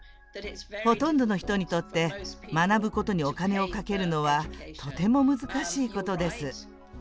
ほとんどの人にとって学ぶことにお金をかけるのはとても難しいことです。